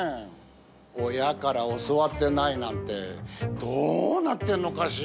親から教わってないなんてどうなってんのかしら？